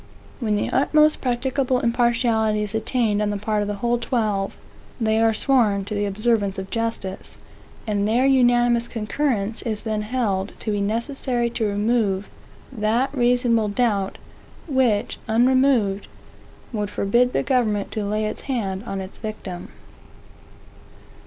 When the utmost practicable impartiality is attained on the part of the whole twelve, they are sworn to the observance of justice; and their unanimous concurrence is then held to be necessary to remove that reasonable doubt, which, unremoved, would forbid the government to lay its hand on its victim.